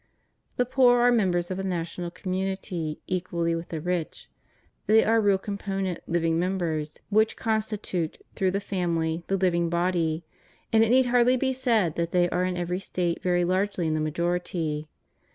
The poor are members of the national community equally with the rich; they are real component living members which constitute, through the family, the hving body; and it need hardly be said that they are in every State very largely in the majority.